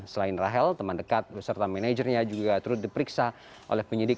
selain rahel teman dekat beserta manajernya juga turut diperiksa oleh penyidik